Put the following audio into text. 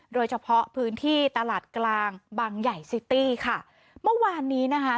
โดยเฉพาะพื้นที่ตลาดกลางบางใหญ่ซิตี้ค่ะเมื่อวานนี้นะคะ